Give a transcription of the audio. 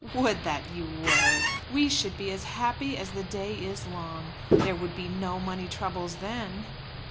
"Would that you were! We should be as happy as the day is long. There would be no money troubles then."